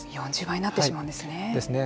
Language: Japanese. ４０倍になってしまうんですね。